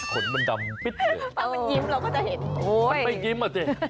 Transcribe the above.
ตลาดมันยิ้ม